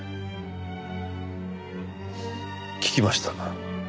聞きました。